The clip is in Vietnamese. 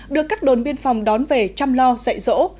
được các đồn biên phòng đón về chăm lo dạy dỗ